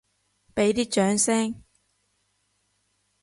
畀啲掌聲！